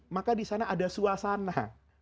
maka disana ada suasana